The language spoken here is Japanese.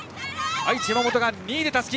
愛知、山本が２位でたすき。